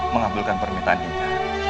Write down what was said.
mengambilkan permintaan dinda